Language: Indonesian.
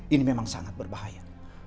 ini memang sangat berbahaya